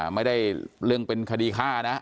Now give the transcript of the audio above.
ไม่ได้เรื่องเป็นคดีฆ่านะ